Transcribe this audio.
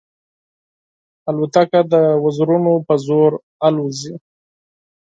الوتکه د وزرونو په زور الوزي.